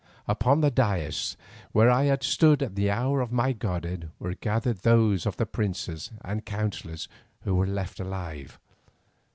Upon the dais where I had stood in the hour of my godhead were gathered those of the princes and counsellors who were left alive.